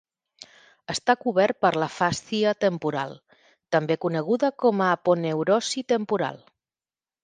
Està cobert per la fàscia temporal, també coneguda com a aponeurosi temporal.